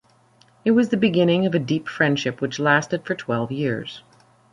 It was the beginning of a deep friendship which lasted for twelve years.